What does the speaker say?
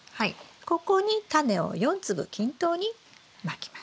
ここにタネを４粒均等にまきます。